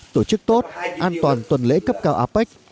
tổ chức tốt an toàn tuần lễ cấp cao apec